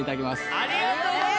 ありがとうございます！